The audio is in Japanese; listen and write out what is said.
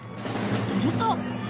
すると。